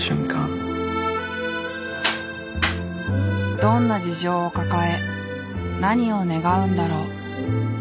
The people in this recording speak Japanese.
どんな事情を抱え何を願うんだろう。